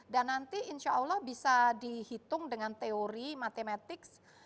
dan nanti insya allah bisa dihitung dengan teori matematik